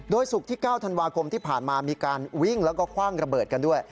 ศุกร์ที่๙ธันวาคมที่ผ่านมามีการวิ่งแล้วก็คว่างระเบิดกันด้วย